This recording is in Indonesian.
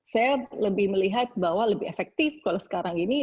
saya lebih melihat bahwa lebih efektif kalau sekarang ini